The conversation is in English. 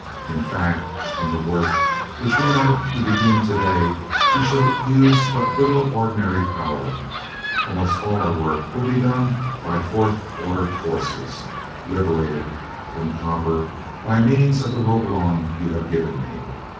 In fact, in the work which we are to begin today, we shall use but little ordinary power: almost all our work will be done by fourth order forces, liberated from copper by means of the Rovolon you have given me.